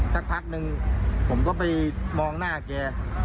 สักพักหนึ่งผมก็มองหน้าเกียร์